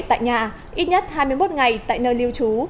tại nhà ít nhất hai mươi một ngày tại nơi lưu trú